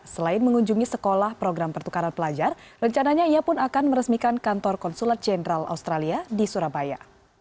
selain mengunjungi sekolah program pertukaran pelajar rencananya ia pun akan meresmikan kantor konsulat jenderal australia di surabaya